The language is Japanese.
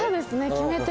決め手は。